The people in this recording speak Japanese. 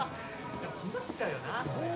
いや困っちゃうよな。